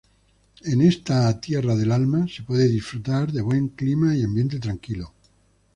Es esta "tierra del alma" se puede disfrutar de buen clima y ambiente tranquilo.